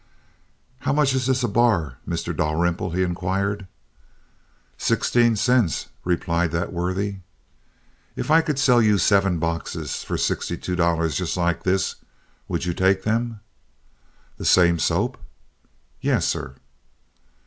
"How much is this a bar, Mr. Dalrymple?" he inquired. "Sixteen cents," replied that worthy. "If I could sell you seven boxes for sixty two dollars just like this, would you take them?" "The same soap?" "Yes, sir."